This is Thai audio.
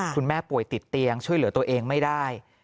ป่วยติดเตียงช่วยเหลือตัวเองไม่ได้